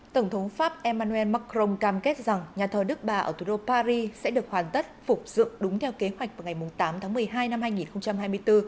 tổng thống pháp emmanuel macron cam kết rằng nhà thờ đức bà ở thủ đô paris sẽ được hoàn tất phục dựng đúng theo kế hoạch vào ngày tám tháng một mươi hai năm hai nghìn hai mươi bốn